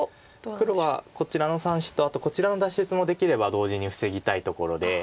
黒はこちらの３子とあとこちらの脱出もできれば同時に防ぎたいところで。